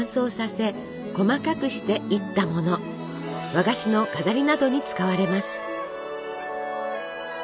和菓子の飾りなどに使われます。